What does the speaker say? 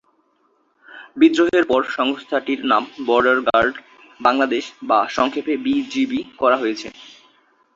বিদ্রোহের পর সংস্থাটির নাম বর্ডার গার্ড বাংলাদেশ বা সংক্ষেপে বিজিবি করা হয়েছে।